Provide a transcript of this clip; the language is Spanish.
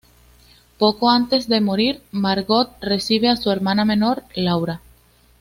Poco antes de morir Margot recibe a su hermana menor, Laura.